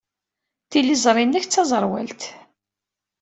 Tiliẓri-nnek d taẓerwalt.